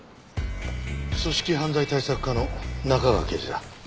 組織犯罪対策課の中川刑事だ。